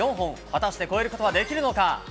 果たして超えることはできるのか？